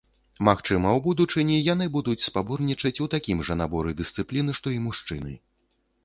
Магчыма, у будучыні яны будуць спаборнічаць у такім жа наборы дысцыплін, што і мужчыны.